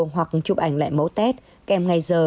hoặc chụp ảnh lại mẫu test kèm ngày giờ